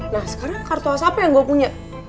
nah sekarang kartu as apa yang gue punya